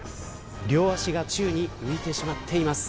両足が宙に浮いてしまっています。